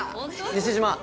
西島。